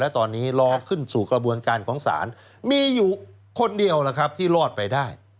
และตอนนี้รอขึ้นสู่กระบวนการของศาลมีอยู่คนเดียวล่ะครับที่รอดไปได้